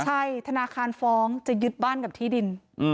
ใช่ธนาคารฟ้องจะยึดบ้านกับที่ดิน